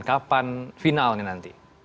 kapan finalnya nanti